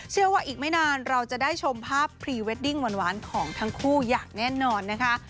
เชื่อว่าอีกไม่นานเราจะได้ชมภาพพรีเวดดิ้งหวานของทั้งคู่อย่างแน่นอนนะคะ